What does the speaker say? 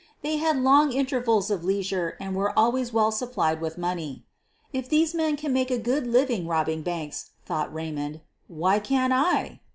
They had long intervals of leisure and were always well supplied with money. "If these men can make a good living robbing banks,' ' thought Eaymond, "why can't I!"